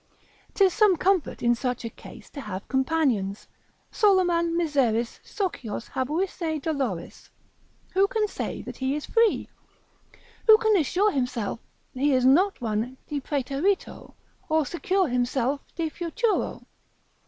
'Tis some comfort in such a case to have companions, Solamen miseris socios habuisse doloris; Who can say he is free? Who can assure himself he is not one de praeterito, or secure himself de futuro?